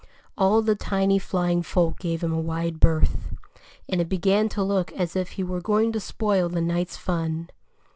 All the tiny flying folk gave him a wide berth. And it began to look as if he were going to spoil the night's fun.